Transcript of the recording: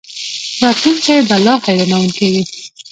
راتلونکی به لا حیرانوونکی وي.